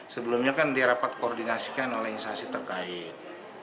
sebelumnya kan dirapat koordinasikan oleh instasi terkait